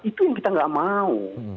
itu yang kita nggak mau